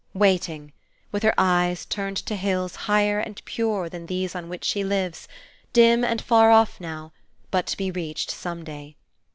Waiting: with her eyes turned to hills higher and purer than these on which she lives, dim and far off now, but to be reached some day.